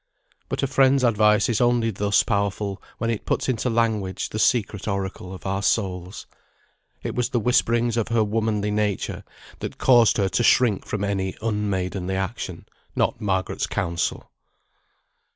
But a friend's advice is only thus powerful, when it puts into language the secret oracle of our souls. It was the whisperings of her womanly nature that caused her to shrink from any unmaidenly action, not Margaret's counsel.